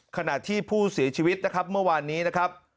ขณะที่ผู้เสียชีวิตนะครับเมื่อวานนี้นะครับ